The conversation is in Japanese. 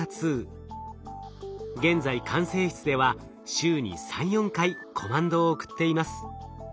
現在管制室では週に３４回コマンドを送っています。